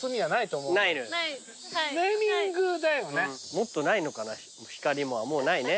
もっとないのかなヒカリモはもうないね。